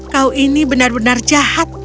kau ini benar benar jahat